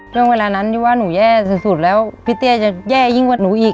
ช่วงเวลานั้นที่ว่าหนูแย่สุดแล้วพี่เตี้ยจะแย่ยิ่งกว่าหนูอีก